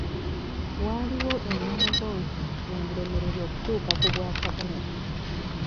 Waaliwo engambo nti yandiremererwa okutuuka ku bwa kabona.